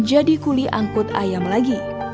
dan menjadi kuli angkut ayam lagi